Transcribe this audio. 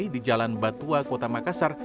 di jalan batua kota makassar